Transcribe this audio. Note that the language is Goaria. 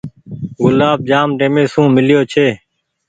گلآب جآم ٽيمي سون ميليو ڇي۔